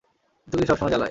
তোকে সবসময় জ্বালায়!